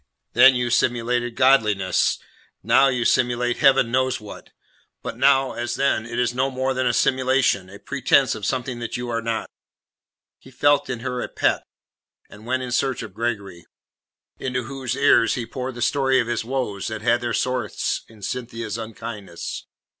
Then you simulated godliness; now you simulate Heaven knows what. But now, as then, it is no more than a simulation, a pretence of something that you are not." He left her in a pet, and went in search of Gregory, into whose ear he poured the story of his woes that had their source in Cynthia's unkindness.